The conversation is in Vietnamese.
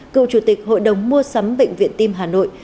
cựu chủ tịch hội đồng mua sắm bệnh viện tim hà nội